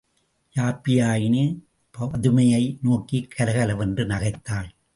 யாப்பியாயினி பதுமையை நோக்கிக் கலகல வென்று நகைத்தாள்.